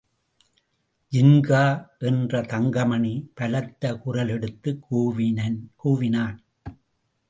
ஜின்கா! என்று தங்கமணி பலத்த குரலெடுத்துக் கூவினான்.